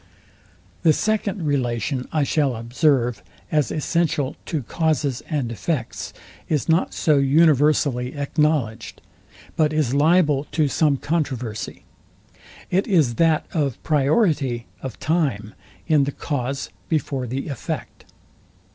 Part IV. Sect. 5. The second relation I shall observe as essential to causes and effects, is not so universally acknowledged, but is liable to some controversy. It is that of PRIORITY Of time in the cause before the effect.